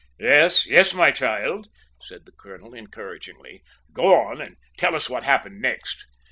"Yes, my child," said the colonel encouragingly, "go on and tell us what happened next."